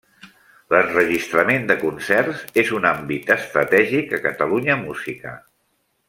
L'enregistrament de concerts és un àmbit estratègic a Catalunya Música.